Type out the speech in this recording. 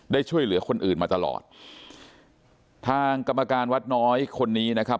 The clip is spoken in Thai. ได้ช่วยเหลือคนอื่นมาตลอดทางกรรมการวัดน้อยคนนี้นะครับ